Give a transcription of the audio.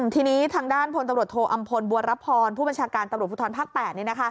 ทีนี้ทางด้านพตโธอำพลบวรรพรผู้บัญชาการตฝุทรภักดิ์๘